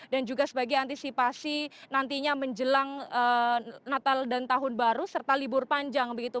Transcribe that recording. dan juga sebagai antisipasi nantinya menjelang natal dan tahun baru serta libur panjang begitu